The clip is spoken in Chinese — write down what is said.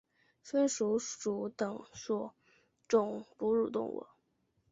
鼢鼠属等数种哺乳动物。